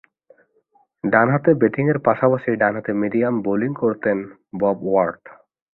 ডানহাতে ব্যাটিংয়ের পাশাপাশি ডানহাতে মিডিয়াম বোলিং করতেন বব ওয়াট।